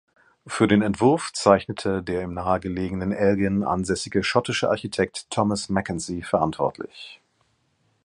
Für den Entwurf zeichnet der im nahegelegenen Elgin ansässige schottische Architekt Thomas Mackenzie verantwortlich.